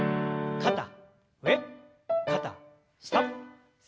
肩上肩下。